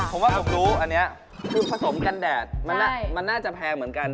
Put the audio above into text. ผมว่าเรารู้อันนี้คือผสมกันแดดมันน่าจะแพงเหมือนกัน